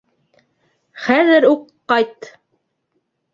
Хәҙер үк ҡайт.